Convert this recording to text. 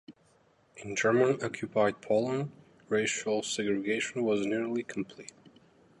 In German-occupied Poland, racial segregation was nearly complete.